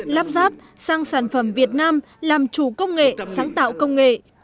lắp ráp sang sản phẩm việt nam làm chủ công nghệ sáng tạo công nghệ